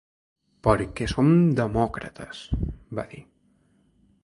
Perquè som demòcrates, va dir.